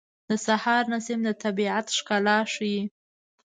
د سهار نسیم د طبیعت ښکلا ښیي.